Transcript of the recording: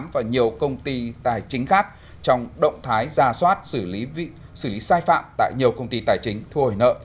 và nhiều công ty tài chính khác trong động thái ra soát xử lý sai phạm tại nhiều công ty tài chính thu hồi nợ trên địa bàn